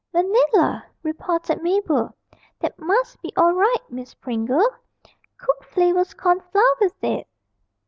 'Vanilla!' reported Mabel, 'that must be all right, Miss Pringle. Cook flavours corn flour with it!'